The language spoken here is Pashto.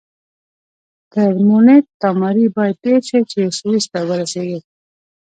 تر مونټ تاماري باید تېر شئ چې سویس ته ورسیږئ.